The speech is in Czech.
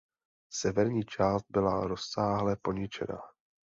Severní část byla rozsáhle poničena.